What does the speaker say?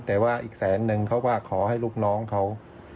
แต่ว่าอีกแสนนึงเขาก็ขอให้ลูกน้องเขา